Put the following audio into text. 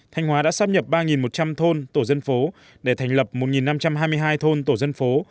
thanh hóa đã sắp nhập ba một trăm linh thôn tổ dân phố để thành lập một năm trăm hai mươi hai thôn tổ dân phố